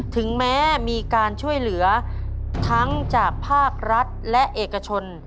ถึงแม้มีการช่วยเหลือทั้งจากภาครัฐและเอกชน